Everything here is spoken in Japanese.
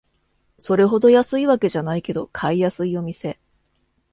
それほど安いわけじゃないけど買いやすいお店